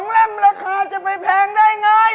เล่มราคาจะไปแพงได้ไง